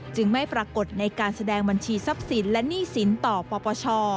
ไม่ปรากฏในการแสดงบัญชีทรัพย์สินและหนี้สินต่อปปช